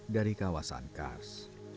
dari kawasan kars